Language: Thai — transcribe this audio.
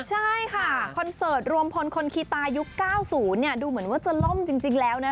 ใช่ค่ะคอนเสิร์ตรวมพลคนคีตายุค๙๐ดูเหมือนว่าจะล่มจริงแล้วนะ